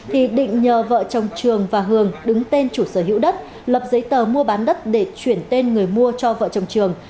thì định nhờ vợ chồng trường và hường đứng tên chủ sở hữu đất lập giấy tờ mua bán đất để chuyển tên người mua cho vợ chồng trường